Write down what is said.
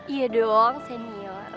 iya dong senior